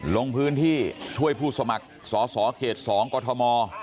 ลงพื้นที่ช่วยผู้สมัครสอสอเขต๒กรทม